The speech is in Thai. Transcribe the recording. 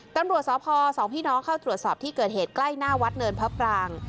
ตำรวจสพสองพี่น้องเข้าตรวจสอบที่เกิดเหตุใกล้หน้าวัดเนินพระปราง